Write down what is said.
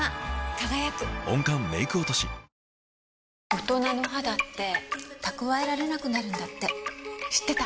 大人の肌って蓄えられなくなるんだって知ってた？